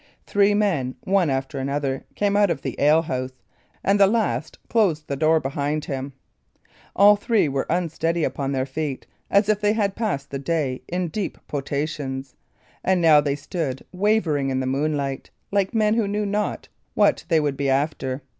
Three men, one after another, came out of the ale house, and the last closed the door behind him. All three were unsteady upon their feet, as if they had passed the day in deep potations, and they now stood wavering in the moonlight, like men who knew not what they would be after.